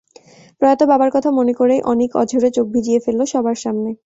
প্রয়াত বাবার কথা মনে করেই অনীক অঝোরে চোখ ভিজিয়ে ফেলল সবার সামনে।